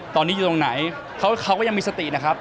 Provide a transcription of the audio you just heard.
ตอนนี้อยู่ตรงไหนเขาก็ยังมีสตินะครับ